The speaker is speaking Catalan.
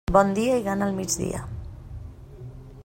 Bon dia i gana al migdia.